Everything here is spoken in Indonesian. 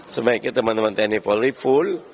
sama seperti teman teman tni polri full